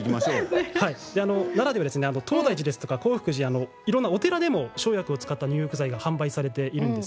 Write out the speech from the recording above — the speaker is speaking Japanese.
奈良では東大寺や興福寺いろんなお寺でも、生薬を使った入浴剤が販売されています。